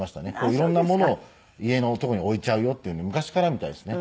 いろんなものを家のとこに置いちゃうよって昔からみたいですね。